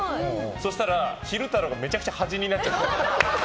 そしたら昼太郎がめちゃくちゃ端になっちゃった。